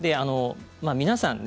皆さん